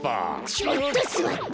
ちょっとすわって！